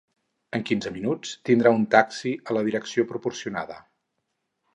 En quinze minuts tindrà un taxi a la direcció proporcionada.